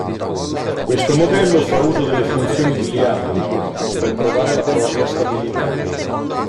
Questo modello fa uso delle funzioni di Ljapunov per provare la propria stabilità.